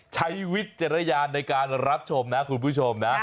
วิจารณญาณในการรับชมนะคุณผู้ชมนะ